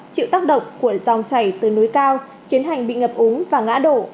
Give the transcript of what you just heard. chịu tác động của dòng chảy từ núi cao khiến hành bị ngập úng và ngã đổ